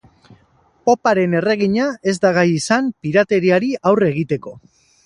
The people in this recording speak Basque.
Poparen erregina ez da gai izan pirateriari aurre egiteko.